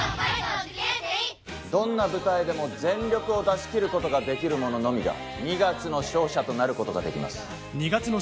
どんな舞台でも全力を出し切ることができる者のみが二月の勝者となることができます。